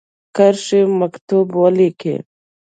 کرښې مکتوب ولیکی.